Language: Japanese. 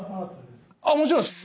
あっもちろんです。